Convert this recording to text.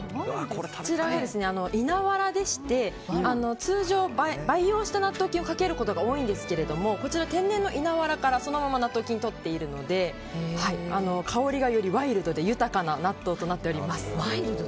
こちら、稲わらでして通常、培養した納豆菌をかけることが多いんですけどこちらは天然の稲わらからそのまま納豆菌をとっているので香りがよりワイルドで豊かな納豆になっております。